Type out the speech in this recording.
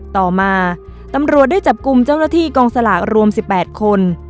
ต่อมาตำรวจได้จับกลุ่มเจ้าหน้าที่กองสลากรวม๑๘คน